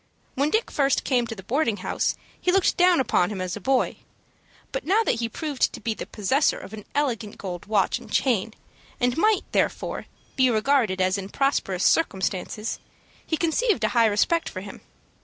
When Dick first came to the boarding house he looked down upon him as a boy; but now that he proved to be the possessor of an elegant gold watch and chain, and might, therefore, be regarded as in prosperous circumstances, he conceived a high respect for him.